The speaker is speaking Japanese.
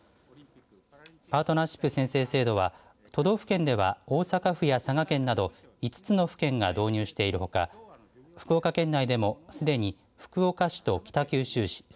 パートナーシップ宣誓制度は都道府県では、大阪府や佐賀県など５つの府県が導入しているほか福岡県内でもすでに福岡市と北九州市